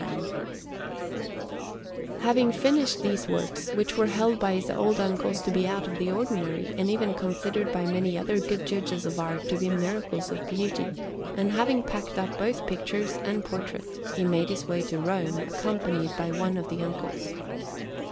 Parma: Gallery, 192_) Anderson] Having finished these works, which were held by his old uncles to be out of the ordinary, and even considered by many other good judges of art to be miracles of beauty, and having packed up both pictures and portrait, he made his way to Rome, accompanied by one of the uncles.